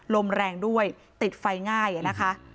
ลมแรงด้วยติดไฟง่ายนะคะ